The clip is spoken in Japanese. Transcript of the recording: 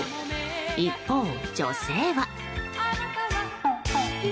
一方、女性は。